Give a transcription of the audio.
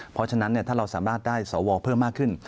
เพราะฉะนั้นถ้าเราสามารถได้สวเพิ่มมากขึ้น